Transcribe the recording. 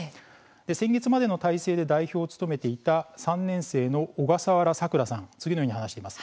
先月までの体制で代表を務めていた３年生の小笠原桜さんは次のように話しています。